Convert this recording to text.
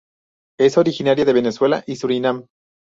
Es originaria de Venezuela y Surinam.